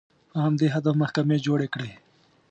په همدې هدف محکمې جوړې کړې